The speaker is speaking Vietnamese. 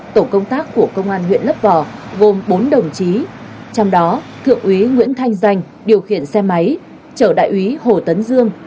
tổ công tác của công an huyện lấp vò gồm bốn đồng chí trong đó thượng úy nguyễn thanh danh điều khiển xe máy chở đại úy hồ tấn dương